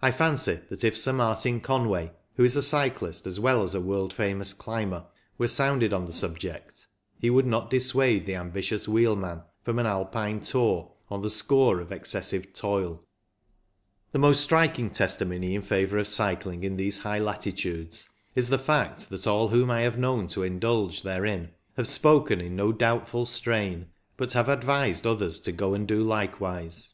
I fancy that if Sir Martin Conway, who is a cyclist as well as a world famous climber, were sounded on the subject, he would not dissuade the ambitious wheelman from an Alpine tour on the score of excessive toil. The most striking testimony in favour of cycling in these high latitudes is the fact that all whom I have known to indulge therein have spoken in no doubtful strain, but have advised others to go and do likewise.